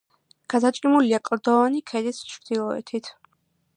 გადაჭიმულია კლდოვანი ქედის ჩრდილოეთით.